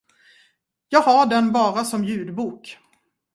Jag har den bara som ljudbok.